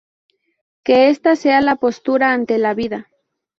Que esta sea la "postura ante la vida".